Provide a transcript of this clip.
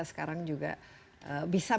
sekarang juga bisa